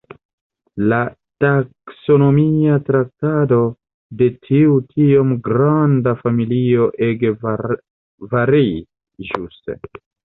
La taksonomia traktado de tiu tiom granda familio ege variis ĵuse.